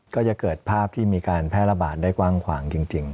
ก็จะเกิดภาพที่มีการแพร่ระบาดได้กว้างขวางจริง